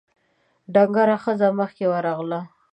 ډنګره ښځه مخکې ورغله: